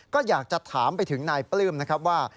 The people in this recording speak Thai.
ก็อยากจะถามไปถึงนายปลื้มนะครับว่า